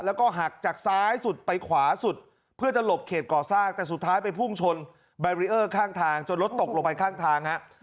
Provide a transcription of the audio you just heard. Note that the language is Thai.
แล้วก็หักจากซ้ายสุดไปขวาสุดเพื่อจะหลบเขตก่อสร้างแต่สุดท้ายไปพุ่งชนแบรีเออร์ข้างทางจนรถตกลงไปข้างทางฮะ